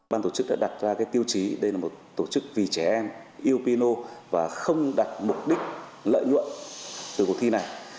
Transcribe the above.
ban tổ chức đã đặt ra tiêu chí đây là một tổ chức vì trẻ em yêu pino và không đặt mục đích lợi nhuận từ cuộc thi này